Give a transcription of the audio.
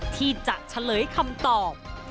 ที่จะเฉลยคำตอบ